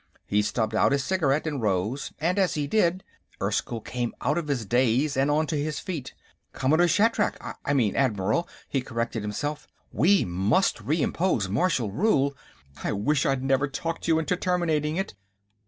He stubbed out his cigarette and rose, and as he did, Erskyll came out of his daze and onto his feet. "Commodore Shatrak! I mean, Admiral," he corrected himself. "We must re impose martial rule. I wish I'd never talked you into terminating it.